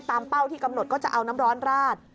เป้าที่กำหนดก็จะเอาน้ำร้อนราด